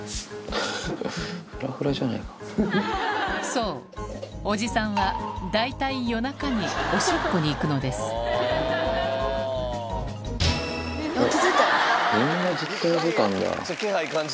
そうおじさんは大体夜中におしっこに行くのですおっ。